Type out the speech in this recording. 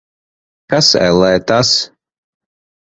Kas, ellē, tas?